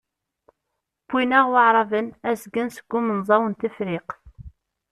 Wwin-aɣ Waεraben azgen seg umenẓaw n Tefriqt.